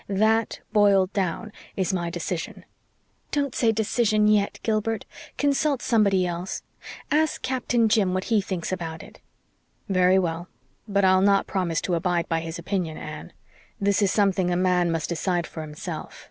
That, boiled down, is my decision." "Don't say 'decision' yet, Gilbert. Consult somebody else. Ask Captain Jim what he thinks about it." "Very well. But I'll not promise to abide by his opinion, Anne. "This is something a man must decide for himself.